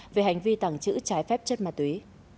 về hành vi tẳng chữ trái phép chất ma túy